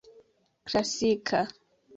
klasika